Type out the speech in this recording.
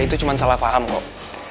itu cuma salah paham kok